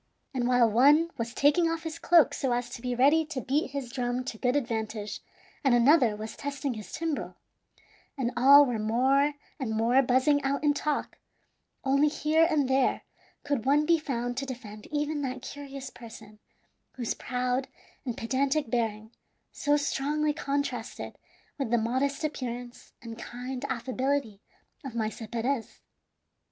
And while one was taking off his cloak so as to be ready to beat his drum to good advantage, and another was testing his timbrel, and all were more and more buzzing out in talk, only here and there could one be found to defend even that curious person, whose proud and pedantic bearing so strongly contrasted with the modest appearance and kind affability of Maese Perez.